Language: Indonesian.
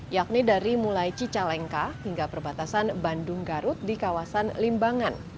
yakni dari mulai cicalengka hingga perbatasan bandung garut di kawasan limbangan